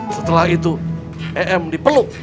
setelah itu em dipeluk